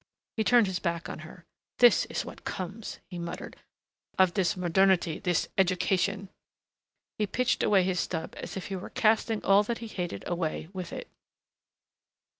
He turned his back on her. "This is what comes," he muttered, "of this modernity, this education...." He pitched away his stub as if he were casting all that he hated away with it.